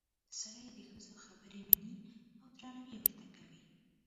سړي د ښځو خبرې مني او درناوی ورته کوي